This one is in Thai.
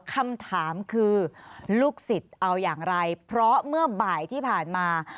คำถามคือลูกศิษย์เอาอย่างไรเพราะเมื่อบ่ายที่ผ่านมา